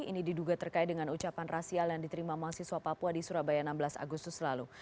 ini diduga terkait dengan ucapan rasial yang diterima mahasiswa papua di surabaya enam belas agustus lalu